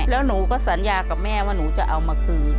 แล้วหนูก็สัญญากับแม่ว่าหนูจะเอามาคืน